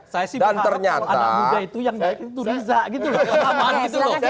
saya sih berharap kalau anak muda itu riza gitu loh